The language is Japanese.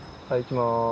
はいいきます。